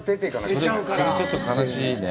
それちょっと悲しいね。